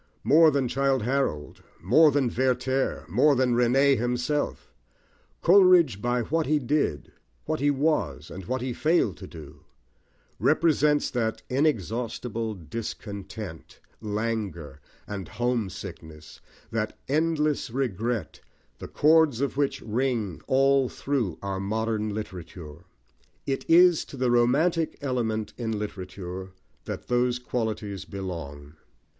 More than Childe Harold, more than Werther, more than René himself, Coleridge, by what he did, what he was, and what he failed to do, represents that inexhaustible discontent, languor, and homesickness, that endless regret, the chords of which ring all through our modern literature. It is to the romantic element in literature that those qualities belong.